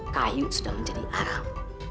kayu sudah menjadi arang